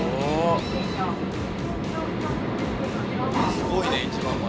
すごいね一番前。